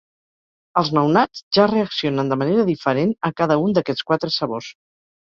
Els nounats ja reaccionen de manera diferent a cada un d'aquests quatre sabors.